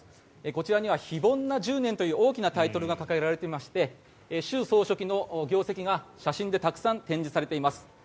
こちらには非凡な１０年という大きなタイトルが掲げられていまして習総書記の業績が写真でたくさん展示されています。